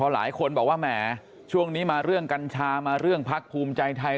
หลายคนบอกว่าแหมช่วงนี้มาเรื่องกัญชามาเรื่องพักภูมิใจไทย